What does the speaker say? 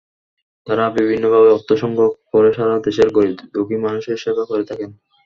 তাঁরা বিভিন্নভাবে অর্থ সংগ্রহ করে সারা দেশের গরিব-দুঃখী মানুষের সেবা করে থাকেন।